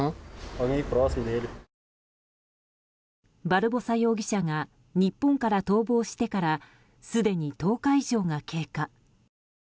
バルボサ容疑者が日本から逃亡してからすでに１０日以上が経過。